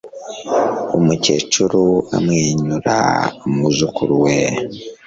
Umukecuru amwenyura umwuzukuru we.